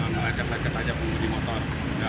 ngacet ngacet aja punggung di motor